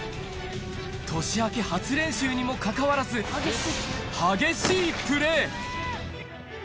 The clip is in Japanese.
年明け初練習にもかかわらず、激しいプレー。